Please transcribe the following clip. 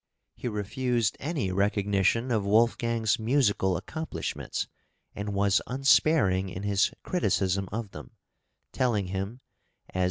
He refused any recognition of Wolfgang's musical accomplishments, and was unsparing in his criticism of them, telling him as {EARLY MANHOOD.